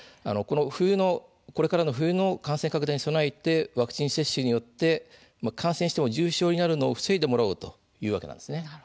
これからの冬の感染拡大に備えてワクチン接種によって感染しても重症になるのを防いでもらおうというわけです。